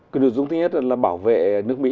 cái nội dung thứ nhất là bảo vệ nước mỹ